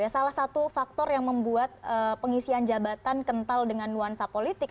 salah satu faktor yang membuat pengisian jabatan kental dengan nuansa politik